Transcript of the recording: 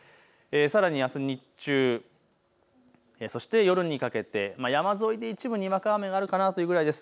さらにあす日中、夜にかけて山沿いで一部にわか雨があるかなというくらいです。